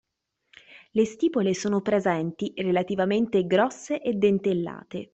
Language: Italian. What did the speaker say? Le stipole sono presenti, relativamente grosse e dentellate.